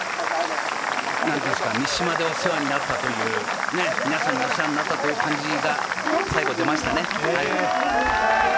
三島でお世話になったという、皆さんにお世話になったという感じが最後でましたね。